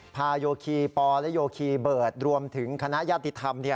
พาโยศคีย์ปอร์และโยศคีย์เบิร์ตรวมถึงคณะยาตรีธรรมเนี่ย